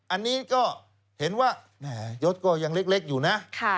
อันนี้ก็เห็นว่ายศก็ยังเล็กอยู่นะ